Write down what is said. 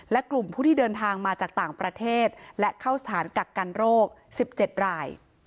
และกลุ่มผู้ที่เดินทางมาจากต่างประเทศและเข้าสถานกักกันโรค๑๗ราย